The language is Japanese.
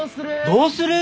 どうする？